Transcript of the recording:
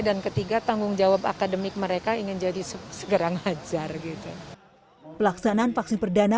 dan ketiga tanggung jawab akademik mereka ingin jadi segera ngajar gitu pelaksanaan vaksin perdana